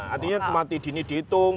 artinya kematian dini dihitung